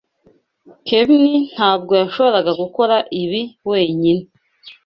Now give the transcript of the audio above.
Kevin ntabwo yashoboraga gukora ibi wenyine.